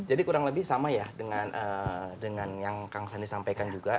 jadi kurang lebih sama ya dengan yang kang sandi sampaikan juga